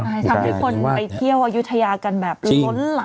ใช่ทำให้คนไปเที่ยวอายุทยากันแบบล้นหลาม